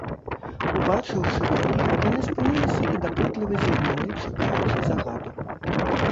Убачыўшы мяне, яны спыніліся і дапытліва зірнулі, чакаючы загаду.